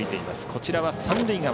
こちらは三塁側。